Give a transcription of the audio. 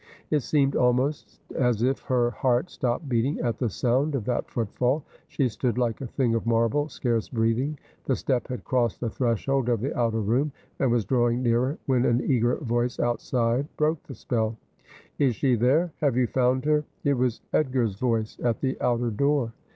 It seemed almost as if her heart stopped beating at the sound of that footfall. She stood like a thing of marble, scarce breathing. The step had crossed the threshold of the outer room, and was drawing nearer, when an eager voice outside broke the spell :' Is she there ? Have you found her ?' It was Edgar's voice at the outer door.